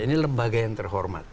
ini lembaga yang terhormat